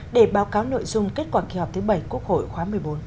để báo cáo nội dung kết quả kỳ họp thứ bảy quốc hội khóa một mươi bốn